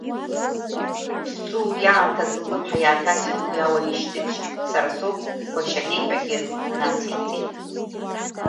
Ҭс-су уи аамҭазы ллымҳа иааҭасит уи ауаҩ ишьҭыбжь, сара соуп, Гәашьанеи ҳәагьы нациҵеит.